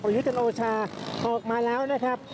ประยุทธ์จนโอชาออกมาแล้วนะครับ